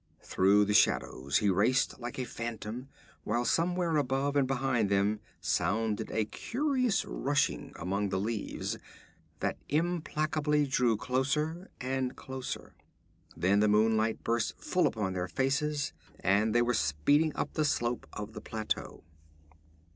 Through the shadows he raced like a phantom, while somewhere above and behind them sounded a curious rushing among the leaves, that implacably drew closer and closer. Then the moonlight burst full upon their faces, and they were speeding up the slope of the plateau.